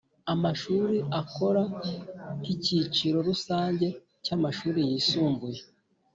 amashuri akora nk Icyiciro Rusange cy amashuri yisumbuye